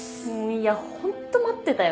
いやホント待ってたよ